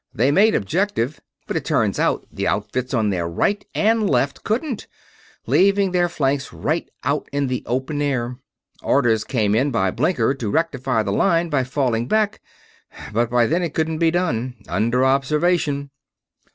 They made objective, but it turns out the outfits on their right and left couldn't, leaving their flanks right out in the open air. Orders come in by blinker to rectify the line by falling back, but by then it couldn't be done. Under observation."